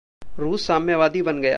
रूस साम्यवादी बन गया।